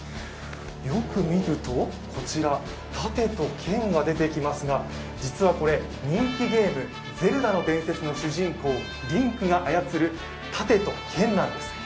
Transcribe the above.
よく見ると盾と剣が出てきますが実はこれ、人気ゲーム「ゼルダの伝説」の主人公、リンクが操る盾と剣なんです。